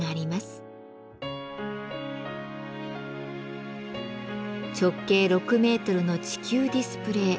直径６メートルの地球ディスプレー「ジオ・コスモス」。